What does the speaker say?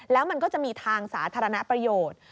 แล้วมันก็จะมีทางสาธารณประโยชน์